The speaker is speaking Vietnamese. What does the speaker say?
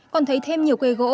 còn thấy thêm nhiều cây gỗ